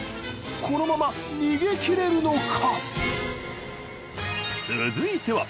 このまま逃げ切れるのか！？